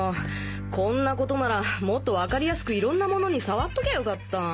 こんな事ならもっとわかりやすく色んな物に触っときゃよかった